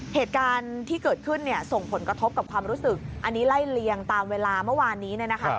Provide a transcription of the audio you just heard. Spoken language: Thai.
เหตุการณ์ที่เกิดขึ้นเนี่ยส่งผลกระทบกับความรู้สึกอันนี้ไล่เลียงตามเวลาเมื่อวานนี้เนี่ยนะคะ